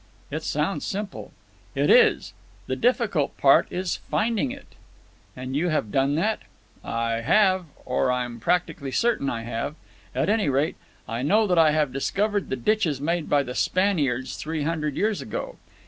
"It sounds simple." "It is. The difficult part is finding it." "And you have done that?" "I have. Or I'm practically certain I have. At any rate, I know that I have discovered the ditches made by the Spaniards three hundred years ago.